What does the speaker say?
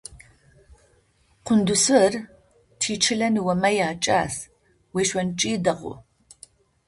Къундысыур тичылэ ныомэ якӏас, уешъонкӏи дэгъу.